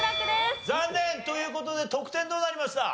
残念！という事で得点どうなりました？